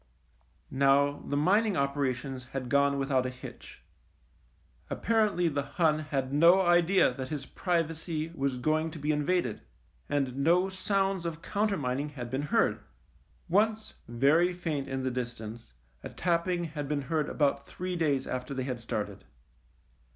Now the mining operations had gone with out a hitch. Apparently the Hun had no idea that his privacy was going to be in vaded, and no sounds of countermining had been heard. Once, very faint in the distance, a tapping had been heard about three days after they had started.